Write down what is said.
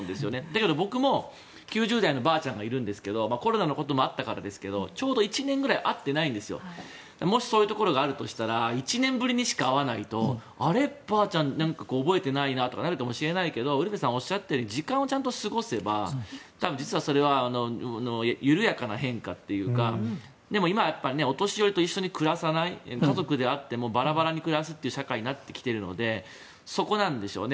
あと、僕にも９０代のおばあちゃんがいますがコロナのこともあったからですがちょうど１年ぐらい会ってないんですけど１年ぶりにしか会わないとあれ、おばあちゃん覚えていないなとかってなるかもしれないけどウルヴェさんがおっしゃったように時間をちゃんと過ごせば実はそれは緩やかな変化というか今はやっぱりお年寄りと一緒に暮らさない家族であってもバラバラに暮らすという社会になってきているのでそこなんでしょうね。